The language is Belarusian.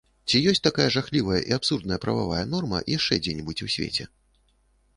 Ці ёсць такая жахлівая і абсурдная прававая норма яшчэ дзе-небудзь у свеце?!